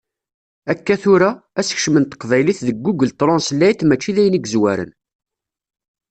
Akka tura, asekcem n teqbaylit deg Google Translate mačči d ayen yezwaren.